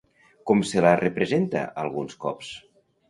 Com se la representa alguns cops?